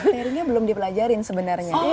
materinya belum dipelajarin sebenarnya